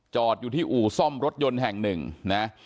อยู่ที่อู่ซ่อมรถยนต์แห่งหนึ่งนะ